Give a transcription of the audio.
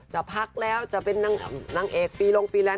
จะพักแล้วจะเป็นนั่งเอกปีลงปีแล้ว